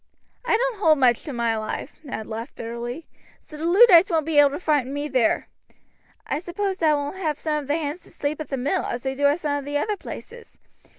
"I don't hold much to my life," Ned laughed bitterly, "so the Luddites won't be able to frighten me there." "I suppose thou wilt have some of the hands to sleep at the mill, as they do at some of the other places.